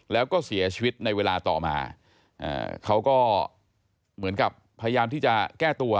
แล้วก็เสียชีวิตในเวลาต่อมาเขาก็เหมือนกับพยายามที่จะแก้ตัว